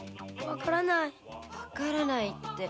わからないって？